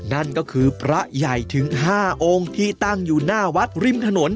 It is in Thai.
นั่นก็คือพระใหญ่ถึง๕องค์ที่ตั้งอยู่หน้าวัดริมถนน